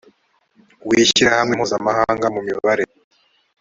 w ishyirahamwe mpuzamahanga mu mibare